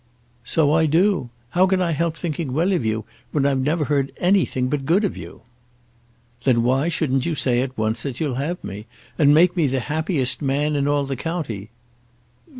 "So I do. How can I help thinking well of you, when I've never heard anything but good of you?" "Then why shouldn't you say at once that you'll have me, and make me the happiest man in all the county?"